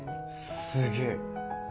すげえ。